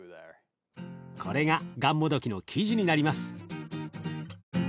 これががんもどきの生地になります。